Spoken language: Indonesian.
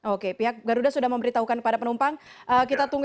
oke pihak garuda sudah memberitahukan kepada penumpang